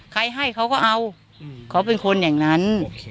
ใครให้เขาก็เอาเขาเป็นคนอย่างนั้น